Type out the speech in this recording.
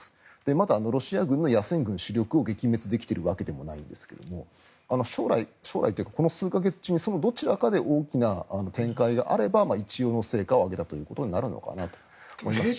まだロシア軍の野戦軍主力を撃滅できているわけでもないんですが将来というかこの数か月中にそのどちらかで大きな展開があれば一応の成果を挙げたということになるのかなと思いますし。